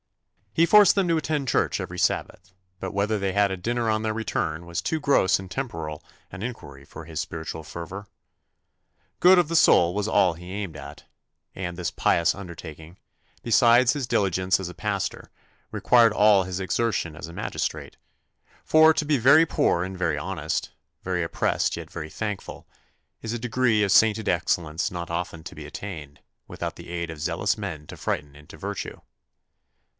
He forced them to attend church every Sabbath; but whether they had a dinner on their return was too gross and temporal an inquiry for his spiritual fervour. Good of the soul was all he aimed at; and this pious undertaking, besides his diligence as a pastor, required all his exertion as a magistrate for to be very poor and very honest, very oppressed yet very thankful, is a degree of sainted excellence not often to be attained, without the aid of zealous men to frighten into virtue.